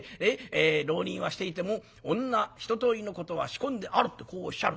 浪人はしていても女一通りのことは仕込んであるってこうおっしゃる。